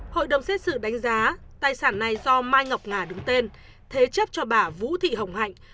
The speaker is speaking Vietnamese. hội đồng xét xử đánh giá tài sản này do mai ngọc nga đứng tên thế chấp cho bà vũ thị hồng hạnh